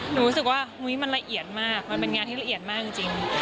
รู้สึกว่ามันละเอียดมากมันเป็นงานที่ละเอียดมากจริง